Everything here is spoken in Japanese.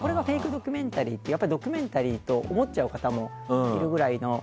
ドキュメンタリーってドキュメンタリーと思っちゃう方もいるぐらいの。